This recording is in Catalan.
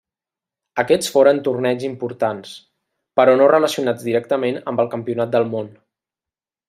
Aquests foren torneigs importants, però no relacionats directament amb el Campionat del món.